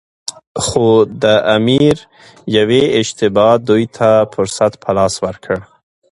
خو د امیر یوې اشتباه دوی ته فرصت په لاس ورکړ.